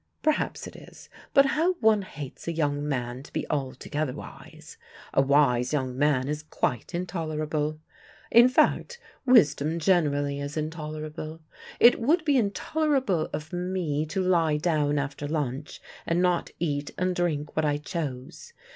"Perhaps it is, but how one hates a young man to be altogether wise. A wise young man is quite intolerable. In fact wisdom generally is intolerable. It would be intolerable of me to lie down after lunch, and not eat and drink what I chose.